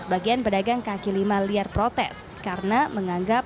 sebagian pedagang kaki lima liar protes karena menganggap